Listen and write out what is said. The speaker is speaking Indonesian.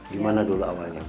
gimana dulu awalnya